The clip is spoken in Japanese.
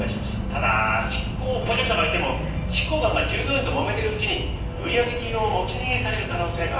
ただ執行補助者がいても執行官が従業員ともめてるうちに売上金を持ち逃げされる可能性がある。